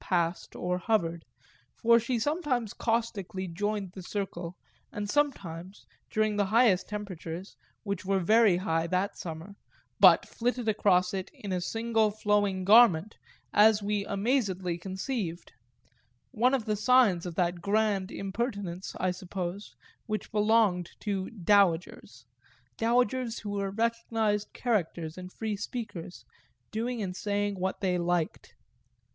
passed or hovered, for she sometimes caustically joined the circle and sometimes, during the highest temperatures, which were very high that summer, but flitted across it in a single flowing garment, as we amazedly conceived; one of the signs of that grand impertinence, I supposed, which belonged to "dowagers" dowagers who were recognised characters and free speakers, doing and saying what they liked.